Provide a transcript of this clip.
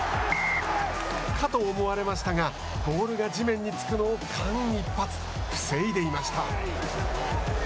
かと思われましたがボールが地面に着くのを間一髪防いでいました。